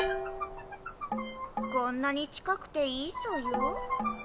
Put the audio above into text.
こんなに近くていいソヨ？